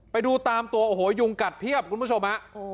ไปดูตามตัวโอ้โหยุงกัดเพียบคุณผู้ชมฮะ